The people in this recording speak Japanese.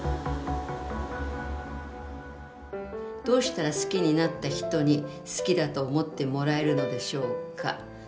「どうしたら好きになった人に好きだと思ってもらえるのでしょうか」。